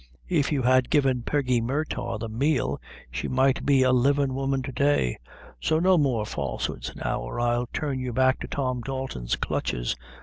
If you had given Peggy Murtagh the meal, she might be a livin' woman to day; so no more falsehoods now, or I'll turn you back to Tom Dalton's clutches."